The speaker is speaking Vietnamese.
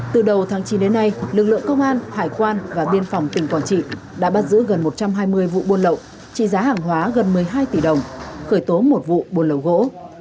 từ đầu tháng chín đến nay lực lượng công an hải quan và biên phòng tỉnh quảng trị đã bắt giữ gần một trăm hai mươi vụ buôn lậu trị giá hàng hóa gần một mươi hai tỷ đồng khởi tố một vụ buôn lậu gỗ